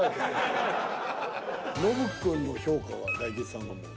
ノブくんの評価が大吉さんがもう。